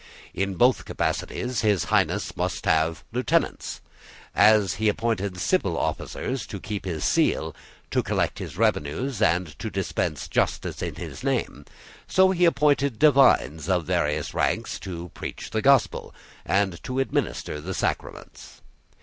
In both capacities His Highness must have lieutenants. As he appointed civil officers to keep his seal, to collect his revenues, and to dispense justice in his name, so he appointed divines of various ranks to preach the gospel, and to administer the sacraments.